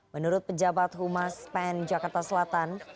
menurut pejabat humas pn jakarta selatan